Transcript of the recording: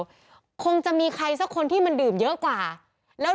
ผมถามคิดว่าคงจะมีใครเรื่องนี้จะเอาเงินใหญ่กว่าแต่ก็จะมีคนที่ดื่มเยอะกว่า